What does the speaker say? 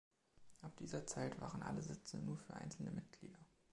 Ab dieser Zeit waren alle Sitze nur für einzelne Mitglieder.